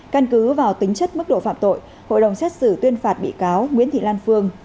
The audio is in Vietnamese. căn cứ vào tính chất mức độ phạm tội hội đồng xét xử tuyên phạt bị cáo nguyễn thị lan phương